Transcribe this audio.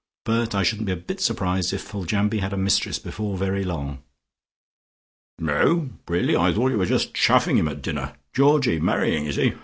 But I shouldn't be a bit surprised if Foljambe had a mistress before very long." "No, really? I thought you were just chaffing him at dinner. Georgie marrying, is he?